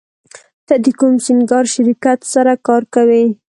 ته د کوم سینګار شرکت سره کار کوې